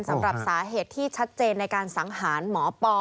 สำหรับสาเหตุที่ชัดเจนในการสังหารหมอปอ